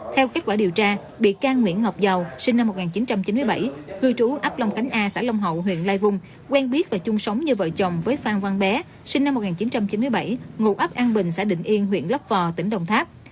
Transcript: theo kết quả điều tra bị can nguyễn ngọc giàu sinh năm một nghìn chín trăm chín mươi bảy cư trú ấp long cánh a xã long hậu huyện lai vung quen biết và chung sống như vợ chồng với phan văn bé sinh năm một nghìn chín trăm chín mươi bảy ngụ ấp an bình xã định yên huyện lấp vò tỉnh đồng tháp